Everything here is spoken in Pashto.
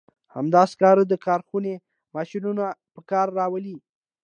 همدا سکاره د کارخونې ماشینونه په کار راولي.